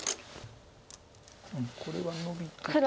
これはノビてて。